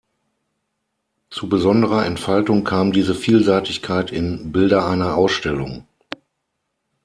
Zu besonderer Entfaltung kam diese Vielseitigkeit in "Bilder einer Ausstellung".